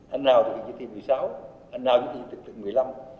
anh nào thì chỉ thị một mươi sáu anh nào thì chỉ thị một mươi năm